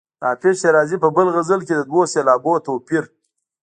د حافظ شیرازي په بل غزل کې د دوو سېلابونو توپیر.